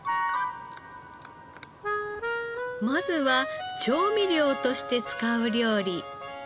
まずは調味料として使う料理。